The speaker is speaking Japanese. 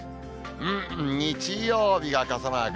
うーん、日曜日が傘マーク。